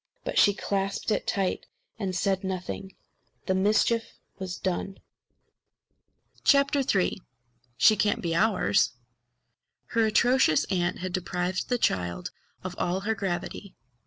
But she clasped it tight and said nothing. The mischief was done. III She Can't Be Ours! Her atrocious aunt had deprived the child of all her gravity.